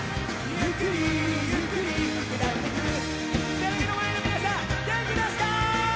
テレビの前の皆さん元気ですか？